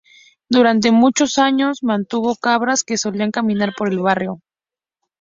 Durante muchos años mantuvo cabras que solían caminar por el barrio.